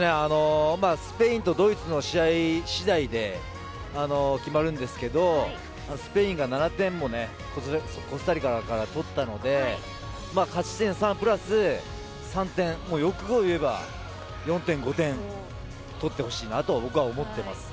スペインとドイツの試合次第で決まるんですけどスペインが７点もねコスタリカから取ったので勝ち点３プラス３点欲を言えば４点、５点取ってほしいなと僕は思っています。